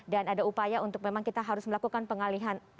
dan ada upaya untuk memang kita harus melakukan pengalihan